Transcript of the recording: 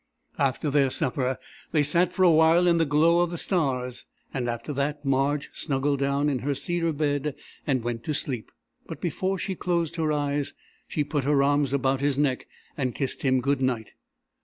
After their supper they sat for a while in the glow of the stars, and after that Marge snuggled down in her cedar bed and went to sleep. But before she closed her eyes she put her arms about his neck and kissed him good night.